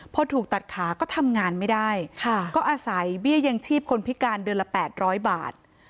พอถูกตัดขาก็ทำงานไม่ได้ก็อาศัยเบี้ยยังชีพคนพิการเดือนละ๘๐๐บาท